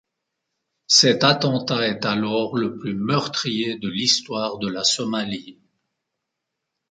Cet attentat est alors le plus meurtrier de l'histoire de la Somalie.